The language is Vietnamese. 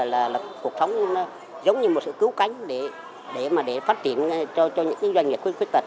là cuộc sống giống như một sự cứu cánh để phát triển cho những doanh nghiệp khuyết tật